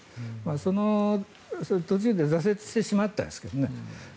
その途中で挫折してしまったんですけどね。